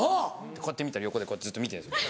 こうやって見たら横でずっと見てるんです。